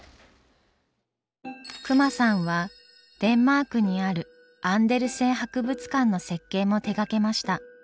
隈さんはデンマークにあるアンデルセン博物館の設計も手がけました。